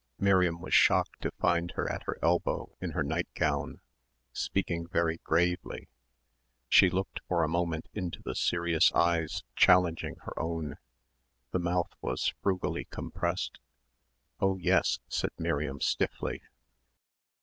Miriam was shocked to find her at her elbow, in her nightgown, speaking very gravely. She looked for a moment into the serious eyes challenging her own. The mouth was frugally compressed. "Oh yes," said Miriam stiffly.